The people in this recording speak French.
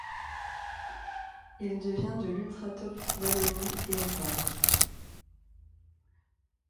Il devient de l'Ultratop Wallonie et en Flandre.